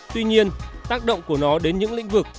tuy nhiên tác động của nó đến những lĩnh vực